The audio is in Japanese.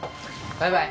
バイバイ。